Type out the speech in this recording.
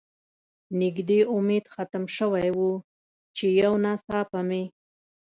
نږدې امید ختم شوی و، چې یو ناڅاپه مې.